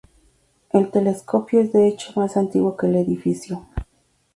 El telescopio es de hecho más antiguo que el edificio.